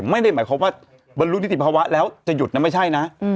ไม่ได้หมายความว่าบรรลุนิติภาวะแล้วจะหยุดนะไม่ใช่นะ